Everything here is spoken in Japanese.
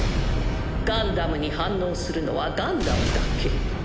ガンダムに反応するのはガンダムだけ。